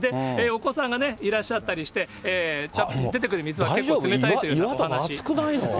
お子さんがいらっしゃったりして、出てくる水は結構冷たいというお話。